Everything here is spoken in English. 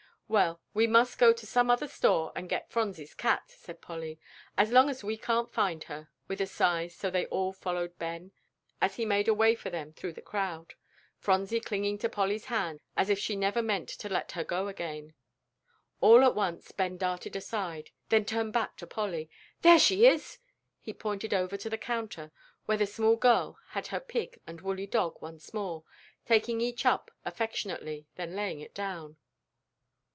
"Well, we must go to some other store and get Phronsie's cat," said Polly, "as long as we can't find her," with a sigh, so they all followed Ben as he made a way for them through the crowd, Phronsie clinging to Polly's hand as if she never meant to let her go again. All at once Ben darted aside, then turned back to Polly. "There she is," he pointed over to the counter where the small girl had her pig and woolly dog once more, taking each up affectionately, then laying it down.